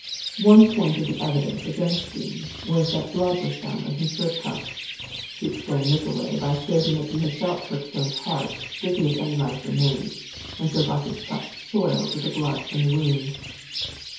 One point of the evidence against Dean was that blood was found on his shirt cuff. He explained this away by stating that he had felt Kirkstone's heart to see if any life remained, and so got his cuffs soiled Mrith the blood from the wound."